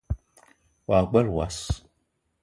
Wa gbele wass